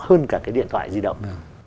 hơn cả cái điện thoại di động